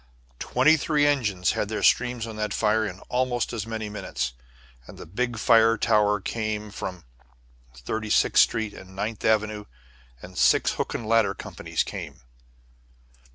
Twenty three engines had their streams on that fire in almost as many minutes. And the big fire tower came from Thirty sixth Street and Ninth Avenue, and six hook and ladder companies came.